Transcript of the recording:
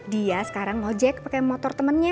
dia sekarang ngojek pakai motor temennya